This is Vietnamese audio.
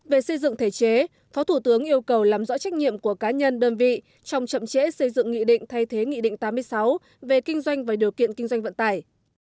về xây dựng thể chế phó thủ tướng yêu cầu làm rõ trách nhiệm của cá nhân đơn vị trong chậm trễ xây dựng nghị định thay thế nghị định tám mươi sáu về kinh doanh và điều kiện kinh doanh vận tải